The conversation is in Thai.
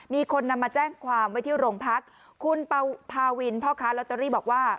มีคนนำมาแจ้งความไว้ที่โรงพักคุณพาวินพ่อค้าลอตเตอรี่บอกว่า